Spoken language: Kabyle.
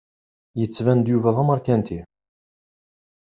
Yettban-d Yuba d amarkanti.